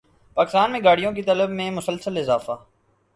پاکستان میں گاڑیوں کی طلب میں مسلسل اضافہ